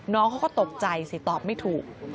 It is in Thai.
น้องเขาก็ตกใจสิตอบไม่ถูก